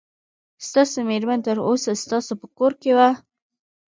ستاسو مېرمن تر اوسه ستاسو په کور کې وه.